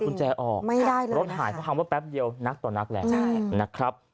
กุญแจออกไม่ได้รถหายความว่าแป๊บเดียวนักต่อนักแล้วนะครับ